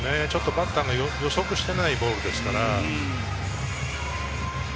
バッターが予測していないボールですから。